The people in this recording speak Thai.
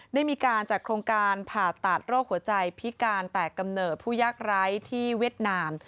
ได้มีการจัดโครงการผ่าตัดโรคหัวใจพิการแตกกำเนิดผู้ยากไร้ที่เวียดนาม